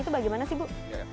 itu bagaimana sih bu